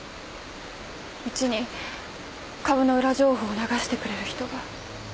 うちに株の裏情報を流してくれる人が。